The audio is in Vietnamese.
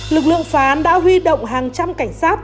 lực lượng phá án đã huy động hàng trăm cảnh sát